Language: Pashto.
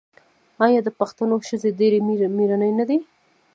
آیا د پښتنو ښځې ډیرې میړنۍ نه دي؟